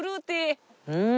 うん！